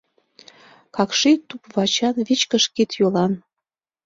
Какший туп-вачан, вичкыж кид-йолан.